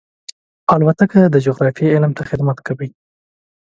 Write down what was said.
الوتکه د جغرافیې علم ته خدمت کوي.